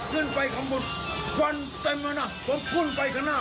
ขึ้นไปข้างหมดฟันเต็มมาน่ะผมขึ้นไปข้างหน้า